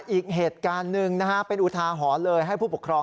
อีกเหตุการณ์หนึ่งนะฮะเป็นอุทาหรณ์เลยให้ผู้ปกครอง